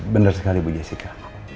bener sekali bu jessica